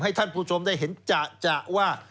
ท่านผู้ชมได้เห็นจะว่า